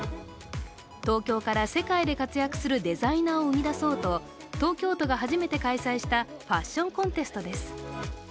東京から世界で活躍するデザイナーを生み出そうと東京都が初めて開催したファッションコンテストです。